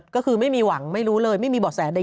ก็คือไม่มีหวังไม่รู้เลยไม่มีเบาะแสใด